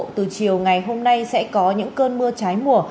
từ chiều ngày hôm nay sẽ có những cơn mưa trái mùa